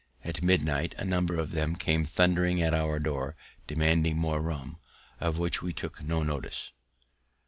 At midnight a number of them came thundering at our door, demanding more rum, of which we took no notice.